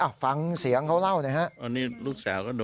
อ้ะฟังเสียงเขาเล่าเลยครับ